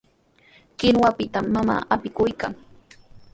Kinuwapitami mamaa apikuykan.